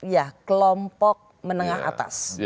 ya kelompok menengah atas